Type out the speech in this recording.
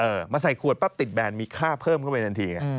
มาใส่ขวดปั๊บติดแบนมีค่าเพิ่มเข้าไปทันทีไง